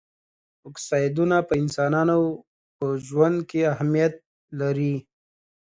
اکسایډونه په انسانانو په ژوند کې اهمیت لري.